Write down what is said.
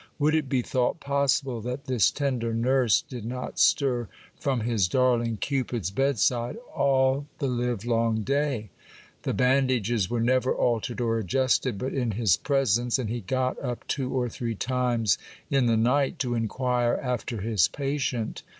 Would it be thought possible that this tender nurse did not stir from his darling Cupid's bedside all the live long day ? The band ages were never altered or adjusted but in his presence, and he got up two or three times in the night to inquire after his patient.